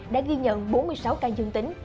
đã ghi nhận bốn mươi sáu ca dương tính